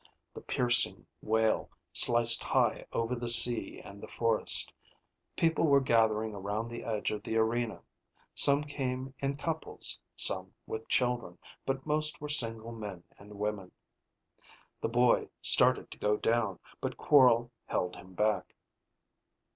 The piercing wail sliced high over the sea and the forest. People were gathering around the edge of the arena. Some came in couples, some with children, but most were single men and women. The boy started to go down, but Quorl held him back.